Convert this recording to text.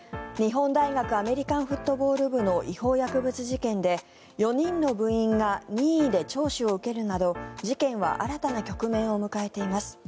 日本大学アメリカンフットボール部の違法薬物事件で４人の部員が任意で聴取を受けるなど事件は新たな局面を迎えています。